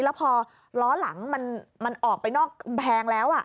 แล้วพอล้อหลังมันออกไปนอกแพงแล้ว